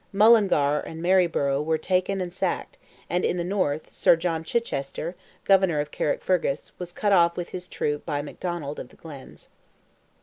Mullingar and Maryborough were taken and sacked, and in the North, Sir John Chichester, Governor of Carrickfergus, was cut off with his troop by MacDonald of the Glens.